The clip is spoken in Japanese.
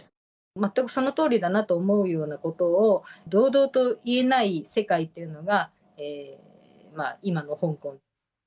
全くそのとおりだなと思うようなことを堂々と言えない世界っていうのが、今の香港。